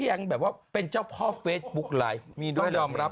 ยังแบบว่าเป็นเจ้าพ่อเฟซบุ๊กไลฟ์ต้องยอมรับ